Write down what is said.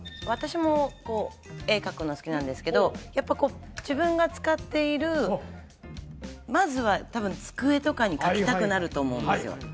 私も絵描くの好きなんですけどやっぱこう自分が使っているまずは多分机とかに描きたくなると思うんですよ